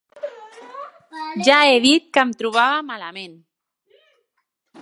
Ja he dit que em trobava malament.